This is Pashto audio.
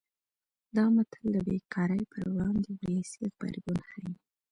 دا متل د بې کارۍ پر وړاندې ولسي غبرګون ښيي